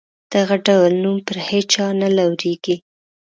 دغه ډول نوم پر هیچا نه لورېږي.